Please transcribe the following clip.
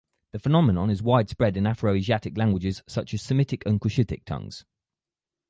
The phenomenon is widespread in Afroasiatic languages such as Semitic and Cushitic tongues.